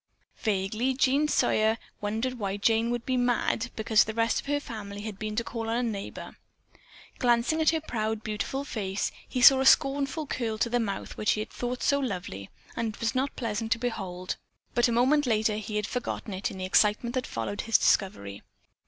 Vaguely Jean Sawyer wondered why Jane would be "mad" because the rest of her family had been to call upon a neighbor. Glancing at her proud, beautiful face, he saw a scornful curl to the mouth which he had thought so lovely, and it was not pleasant to behold. But a moment later he had forgotten it, in the excitement that followed his discovery.